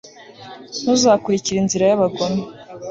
ntuzakurikire inzira y'abagome